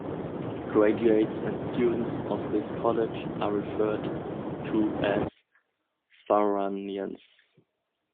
Graduates and students of this college are referred to as "Faranians".